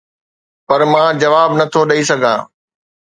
پر مان جواب نه ٿو ڏئي سگهان.